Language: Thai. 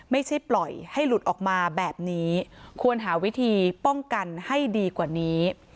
ไม่ใช่ปล่อยให้หลุดออกมาแบบนี้ควรหาวิธีป้องกันให้ดีกว่านี้